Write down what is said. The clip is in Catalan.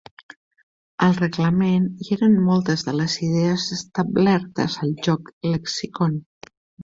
Al reglament hi eren moltes de les idees establertes al joc "Lexicon".